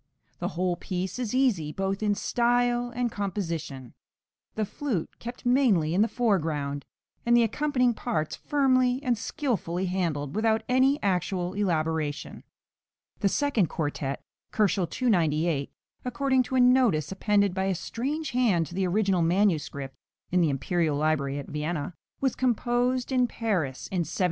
The whole piece is easy, both in style and composition, the flute kept mainly in the foreground, and the accompanying parts firmly and skilfully handled, without any actual elaboration. The second quartet (298 K.), according to a notice appended by a strange hand to the original manuscript (in the imperial library at Vienna), was composed in Paris in 1778.